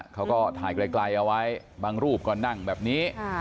เขาก็ถ่ายไกลเอาไว้บางรูปก็นั่งแบบนี้